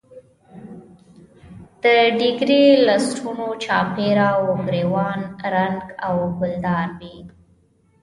د ډیګرې لستوڼو چاپېره او ګرېوان رنګه او ګلدار وي.